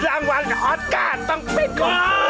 ลางวัลออสการต้องเป็นกรบ